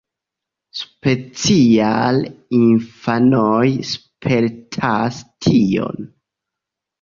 Speciale infanoj spertas tion.